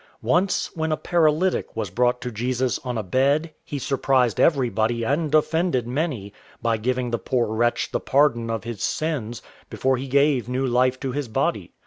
Once, when a paralytic was brought to Jesus on a bed, he surprised everybody, and offended many, by giving the poor wretch the pardon of his sins, before he gave new life to his body.